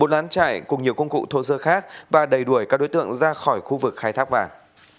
bốn lán chạy cùng nhiều công cụ thô sơ khác và đẩy đuổi các đối tượng ra khỏi khu vực khai thác vàng